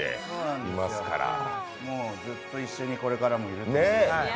ずっと一緒にこれからもいると思います。